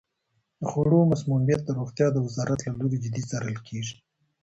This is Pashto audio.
د خوړو مسمومیت د روغتیا د وزارت له لوري جدي څارل کیږي.